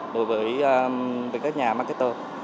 đối với các nhà marketer